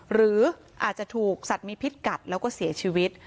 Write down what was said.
หรืออาจจะถูกสัตว์มีพิษกัดแล้วก็เสียชีวิต